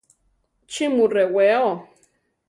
¿Chí mu rewéo?